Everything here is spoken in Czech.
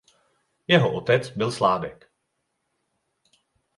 Jeho otec byl sládek.